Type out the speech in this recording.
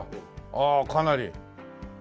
ああかなり。